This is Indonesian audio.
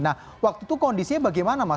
nah waktu itu kondisinya bagaimana mas